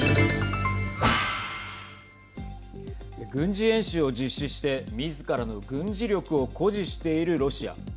軍事演習を実施してみずからの軍事力を誇示しているロシア。